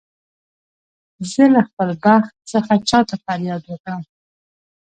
زه له خپل بخت څخه چا ته فریاد وکړم.